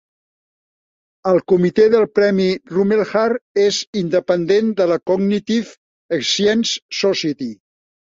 El comitè del premi Rumelhart és independent de la Cognitive Science Society.